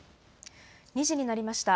２時になりました。